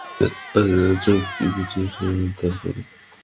রাজা চোখ টিপিয়া জিজ্ঞাসা করিলেন, তার পরে?